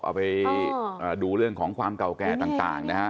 เอาไปดูเรื่องของความเก่าแก่ต่างนะฮะ